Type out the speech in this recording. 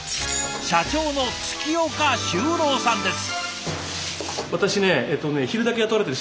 社長の月岡周郎さんです。